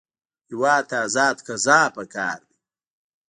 هېواد ته ازاد قضا پکار دی